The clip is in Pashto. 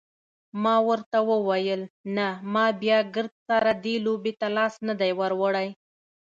ما ورته وویل نه ما بیا ګردسره دې لوبې ته لاس نه دی وروړی.